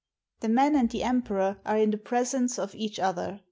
"The men and the Emperor are in the presence of each other.